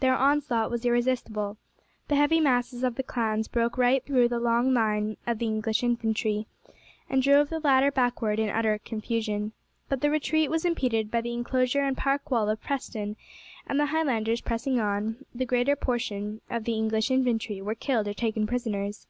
Their onslaught was irresistible. The heavy masses of the clans broke right through the long line of the English infantry, and drove the latter backward in utter confusion. But the retreat was impeded by the inclosure and park wall of Preston, and the Highlanders pressing on, the greater portion of the English infantry were killed or taken prisoners.